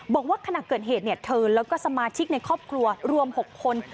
บอกว่าขณะเกิดเหตุเธอแล้วก็สมาชิกในครอบครัวรวม๖คน